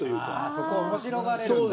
そこ面白がれるんだ。